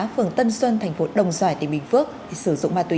phường tân xuân tp đồng xoài tp bình phước sử dụng ma túy